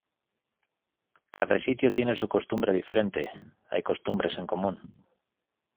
Cada sitio tiene su costumbre diferente, hay costumbres en común.